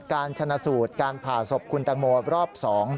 การชนะสูตรการผ่าศพคุณแตงโมรอบ๒